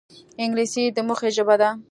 انګلیسي د موخې ژبه ده